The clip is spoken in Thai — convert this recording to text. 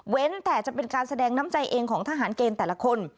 แต่จะเป็นการแสดงน้ำใจเองของทหารเกณฑ์แต่ละคน